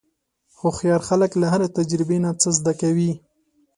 هوښیار خلک له هرې تجربې نه څه زده کوي.